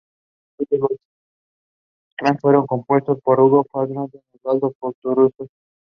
They called it the Elsie Refuge.